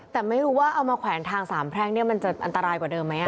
แต่ไม่รู้ว่าเอามาแขวนทางสามแพร่งเนี่ยมันจะอันตรายกว่าเดิมไหม